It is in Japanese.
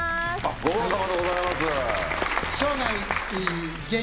ご苦労さまでございます。